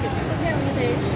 cho hàng trăm tiểu thương